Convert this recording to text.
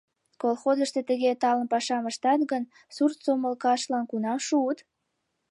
— Колхозышто тыге талын пашам ыштат гын, сурт сомылкаштлан кунам шуыт?